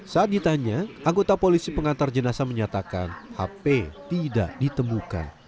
saat ditanya anggota polisi pengantar jenazah menyatakan hp tidak ditemukan